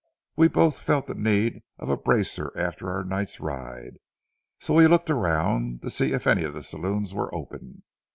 We both felt the need of a bracer after our night's ride, so we looked around to see if any saloons were open.